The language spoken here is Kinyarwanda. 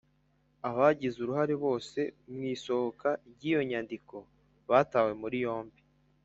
abagize uruhare bose mu isohoka ry iyo nyandiko batawe muri yombi